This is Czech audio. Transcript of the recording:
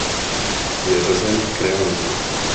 Je řazen k realismu.